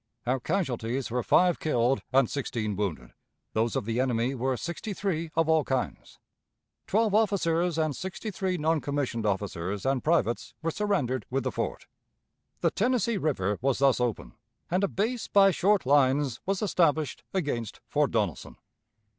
Our casualties were five killed and sixteen wounded; those of the enemy were sixty three of all kinds. Twelve officers and sixty three non commissioned officers and privates were surrendered with the fort. The Tennessee River was thus open, and a base by short lines was established against Fort Donelson.